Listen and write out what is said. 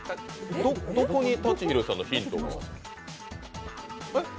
どこに舘ひろしさんのヒントが？